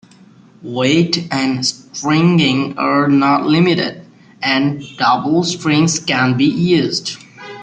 Weight and stringing are not limited, and double strings can be used.